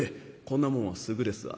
こんなもんはすぐですわ。